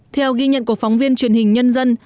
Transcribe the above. theo ghi nhận của phóng viên truyền hình nhân dân